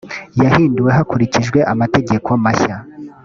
yahinduwe hakurikijwe amategeko mashya